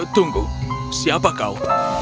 tunggu siapa kau